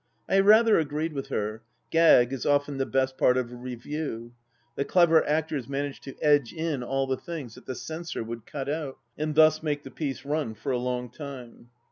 I rather agreed with her : gag is often the best part of a Revue. The clever actors manage to edge in all the things that the censor would cut out, and thus make the piece run for a long time.